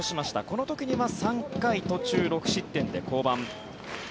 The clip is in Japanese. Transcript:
この時には３回途中６失点で降板。